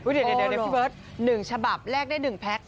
เดี๋ยวพี่เบิร์ต๑ฉบับแรกได้๑แพ็ค